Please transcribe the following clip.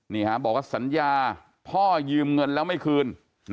บอกว่าสัญญาพ่อยืมเงินแล้วไม่คืน